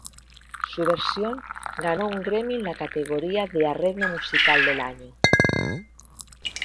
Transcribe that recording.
Su versión ganó un Grammy en la categoría de Arreglo Musical del Año.